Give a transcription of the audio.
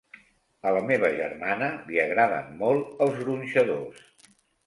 A la meva germana li agraden molt els gronxadors.